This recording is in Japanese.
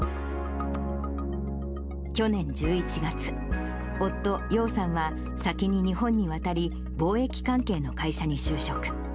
去年１１月、夫、楊さんは先に日本に渡り、貿易関係の会社に就職。